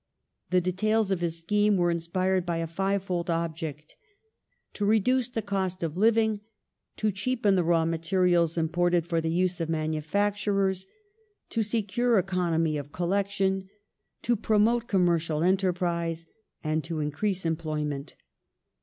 The details of his scheme were inspired by a fivefold object : to reduce the cost of living ; to cheapen the raw materials imported for the use of manufacturers ; to secure economy of collection ; to promote commercial enter prise, and to increase employment.